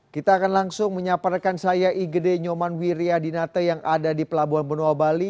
kita akan langsung menyaparkan saya igede nyoman wiryadinate yang ada di pelabuhan benoa bali